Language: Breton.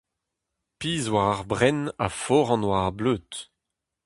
Pizh war ar brenn ha foran war ar bleud.